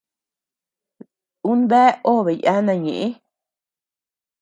Un bea obe yana ñeʼë.